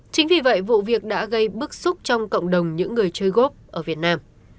chính vì vậy vụ việc đã gây bức xúc trong cộng đồng những người chơi gốc ở việt nam